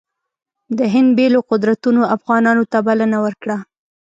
د هند بېلو قدرتونو افغانانو ته بلنه ورکړه.